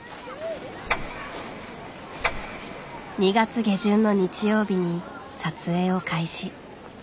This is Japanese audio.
２月下旬の日曜日に撮影を開始。